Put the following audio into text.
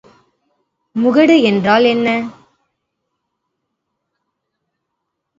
முகடு என்றால் என்ன?